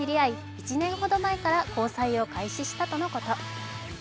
１年ほど前から交際を開始したということ。